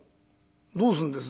どうするんです？」。